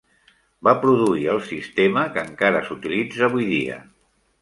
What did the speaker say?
Va produir el sistema que encara s'utilitza avui dia.